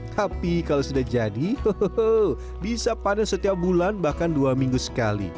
tapi kalau sudah jadi bisa panen setiap bulan bahkan dua minggu sekali